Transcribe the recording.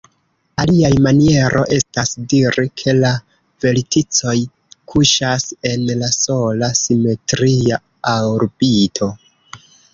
Aliaj maniero estas diri ke la verticoj kuŝas en la sola "simetria orbito".